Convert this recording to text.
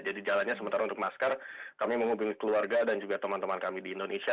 jadi jalannya sementara untuk masker kami membeli keluarga dan juga teman teman kami di indonesia